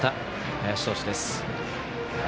林投手です。